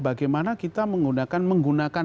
bagaimana kita menggunakan menggunakan